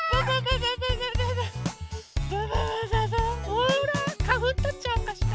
ほらかふんとっちゃおうかしら？